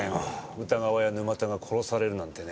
宇田川や沼田が殺されるなんてね。